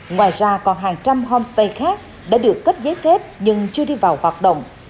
ngoài ra còn hàng trăm homestay khác đã được cấp giấy phép nhưng chưa đi vào hoạt động